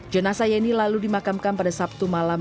jenasa yeni lalu dimakamkan pada sabtu malam